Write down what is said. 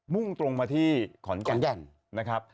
่งตรงมาที่ขอนแก่นนะครับ